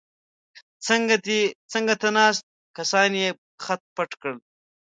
څنګ ته ناست کسان یې خت پت کړل.